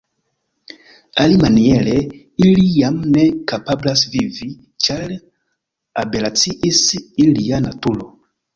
Alimaniere ili jam ne kapablas vivi, ĉar aberaciis ilia naturo.